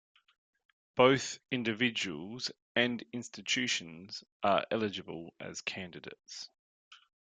Both individuals and institutions are eligible as candidates.